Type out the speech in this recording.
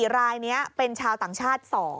๔รายนี้เป็นชาวต่างชาติ๒